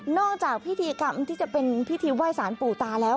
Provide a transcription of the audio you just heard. จากพิธีกรรมที่จะเป็นพิธีไหว้สารปู่ตาแล้ว